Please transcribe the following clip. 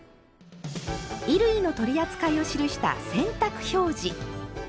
衣類の取り扱いを記した「洗濯表示」。